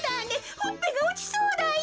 ほっぺがおちそうだよ。